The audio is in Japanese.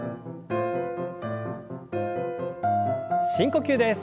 深呼吸です。